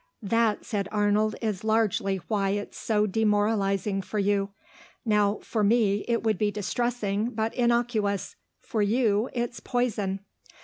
"That," said Arnold, "is largely why it's so demoralising for you. Now for me it would be distressing, but innocuous. For you it's poison."